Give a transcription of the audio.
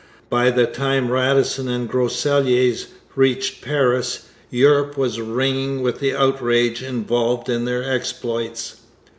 By the time Radisson and Groseilliers reached Paris, Europe was ringing with the outrage involved in their exploits.